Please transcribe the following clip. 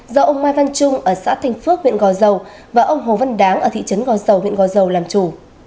do ông mai văn trung ở xã thành phước huyện gò dầu và ông hồ văn đáng ở thị trấn gò dầu huyện gò dầu làm chủ